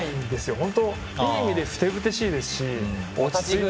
本当、いい意味でふてぶてしいですし。